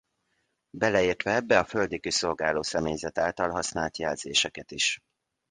Beleértve ebbe a földi kiszolgáló személyzet által használt jelzéseket is.